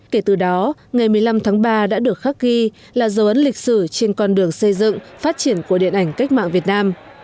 kể từ đó ngày một mươi năm tháng ba đã được khắc ghi là dấu ấn lịch sử trên con đường xây dựng phát triển của điện ảnh cách mạng việt nam